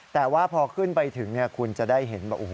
แต่ว่าพอขึ้นไปถึงคุณจะได้เห็นว่า